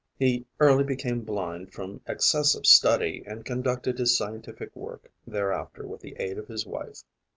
He early became blind from excessive study and conducted his scientific work thereafter with the aid of his wife.